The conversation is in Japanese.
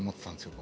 僕。